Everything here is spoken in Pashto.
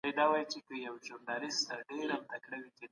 که څوک په ژبه د بدو مخنيوی ونه کړي، په زړه يې وکړي.